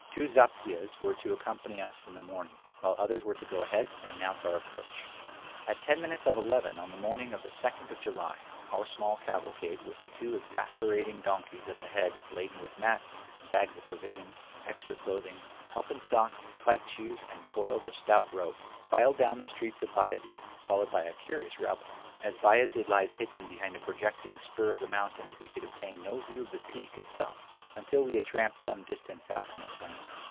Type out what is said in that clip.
Two zaptiehs were to accompany us in the morning, while others were to go ahead and announce our approach. At ten minutes of eleven, on the morning of the second of July, our small cavalcade, with the two exasperating donkeys at the head laden with mats, bags of provisions, extra clothing, alpenstocks, spiked shoes, and coils of stout rope, filed down the streets of Bayazid, followed by a curious rabble. As Bayazid lies hidden behind a projecting spur of the mountains we could obtain no view of the peak itself until we had tramped some distance out on the plain.